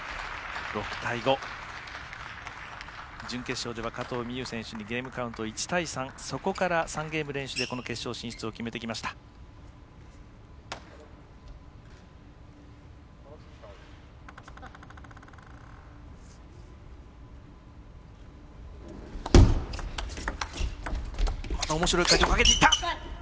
準決勝では加藤美優選手にゲームカウント１対３そこから３ゲーム連取でこの決勝進出を決めてきました。